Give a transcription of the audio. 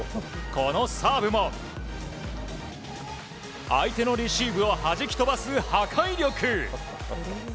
このサーブも相手のレシーブをはじき飛ばす破壊力。